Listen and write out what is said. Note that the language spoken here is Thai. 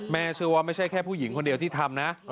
เชื่อว่าไม่ใช่แค่ผู้หญิงคนเดียวที่ทำนะ